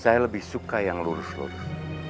saya lebih suka yang lurus lurus